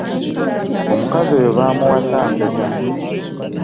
Omukazi oyo baamuwasa mpeta.